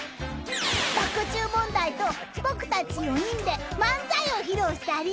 ［爆チュー問題と僕たち４人で漫才を披露したり］